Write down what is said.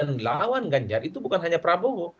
dan lawan ganjar itu bukan hanya prabowo